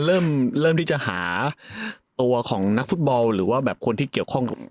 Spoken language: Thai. เริ่มที่จะหาตัวของนักฟุตบอลหรือว่าแบบคนที่เกี่ยวข้อง